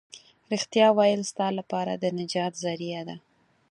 رښتيا ويل ستا لپاره د نجات ذريعه ده.